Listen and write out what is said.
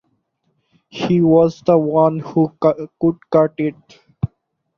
He was the one who could cut it.